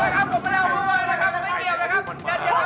พี่ป๋องครับผมเคยไปที่บ้านผีคลั่งมาแล้ว